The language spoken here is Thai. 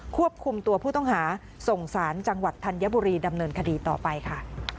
ควบคุมตัวผู้ต้องหาส่งสารจังหวัดธัญบุรีดำเนินคดีต่อไปค่ะ